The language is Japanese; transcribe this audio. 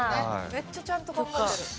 めっちゃちゃんと考えてる。